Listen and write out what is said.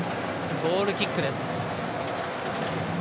ゴールキックです。